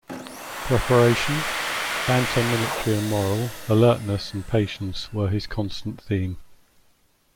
Preparation, banter military and moral, alertness and patience were his constant theme.